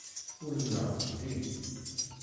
Ul-nneɣ zeddig.